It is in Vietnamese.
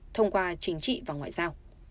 thông qua chính trị và ngoại giao